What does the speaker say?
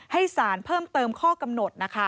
ให้ศาลเพิ่มเติมข้อกำหนด